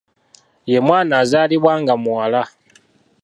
Ye mwana azaalibwa nga muwala.